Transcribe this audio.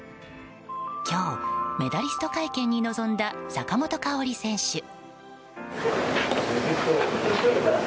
今日、メダリスト会見に臨んだ坂本花織選手。